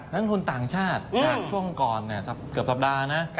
นักลงทุนต่างชาติจากช่วงก่อนเกือบสัปดาห์นะ